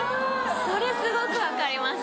それすごく分かります。